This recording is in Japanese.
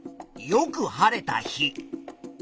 よく晴れた日。